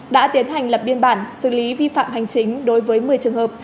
đã tiến hành lập biên bản xử lý vi phạm hành chính đối với một mươi trường hợp